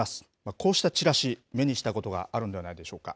こうしたチラシ、目にしたことがあるのではないでしょうか。